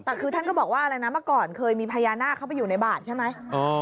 แต่คือท่านก็บอกว่าอะไรนะเมื่อก่อนเคยมีพญานาคเข้าไปอยู่ในบาทใช่ไหม